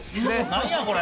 何やこれ！